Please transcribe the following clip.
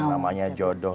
ini yang namanya jodoh nih